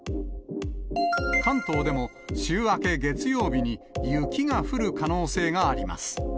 関東でも週明け月曜日に雪が降る可能性があります。